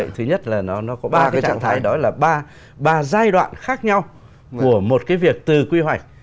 thứ nhất là nó có ba cái trạng thái đó là ba giai đoạn khác nhau của một cái việc từ quy hoạch